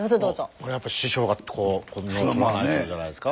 これはやっぱ師匠がこう布を取らないとじゃないですか？